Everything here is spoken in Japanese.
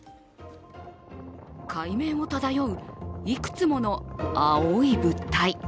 海面を漂う、いくつもの青い物体。